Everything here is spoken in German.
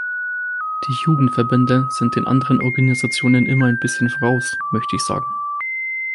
Die Jugendverbände sind den anderen Organisationen immer ein bisschen voraus, möchte ich sagen.